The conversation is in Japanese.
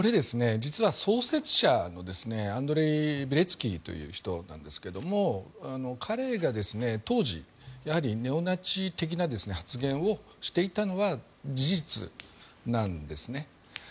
実は創設者アンドレイ・ビレツキーという人なんですけども彼が当時ネオナチ的な発言をしていたのは事実なんですね。